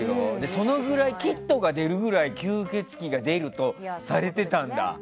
そのぐらい、キットが出るぐらい吸血鬼が出るとされてたんだ。